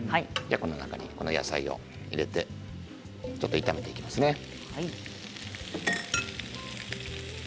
この中に、この野菜を入れてちょっと炒めていきますね。